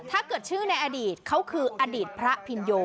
ถ้าเกิดชื่อในอดีตเขาคืออดีตพระพิญโย